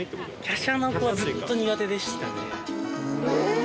きゃしゃな子はずっと苦手でしたねええ！？